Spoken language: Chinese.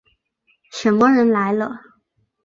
什么人来了？